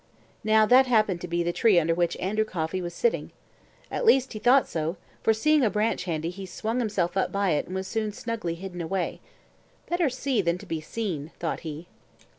Now that happened to be the tree under which Andrew Coffey was sitting. At least he thought so, for seeing a branch handy he swung himself up by it and was soon snugly hidden away. Better see than be seen, thought he.